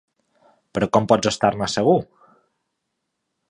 Però com pots estar-ne segur?